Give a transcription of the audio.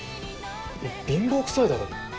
いや貧乏くさいだろ。